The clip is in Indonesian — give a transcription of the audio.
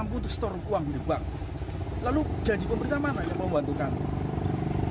kami butuh store uang dari bank lalu janji pemberitahuan mana yang membuat hutang